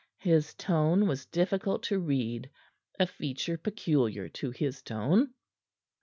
His tone was difficult to read a feature peculiar to his tone.